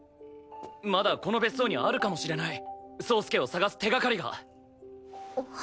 まだこの別荘にあるかもしれない宗助を捜す手がかりが！